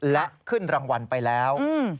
และขึ้นรางวัลไปแล้ว